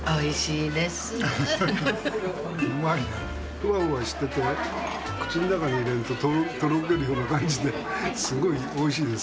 フワフワしてて口の中に入れるととろけるような感じですごいおいしいです。